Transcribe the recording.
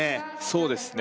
そうですね